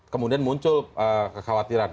kemudian muncul kekhawatiran